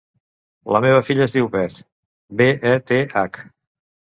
La meva filla es diu Beth: be, e, te, hac.